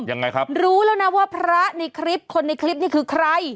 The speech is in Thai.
ยังไงครับรู้แล้วนะว่าพระในคลิปคนในคลิปนี้คือใคร